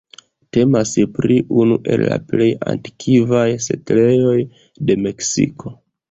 Temas pri unu el la plej antikvaj setlejoj de Meksiko.